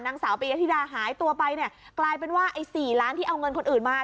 นางสาวปียธิดาหายตัวไปเนี่ยกลายเป็นว่าไอ้๔ล้านที่เอาเงินคนอื่นมา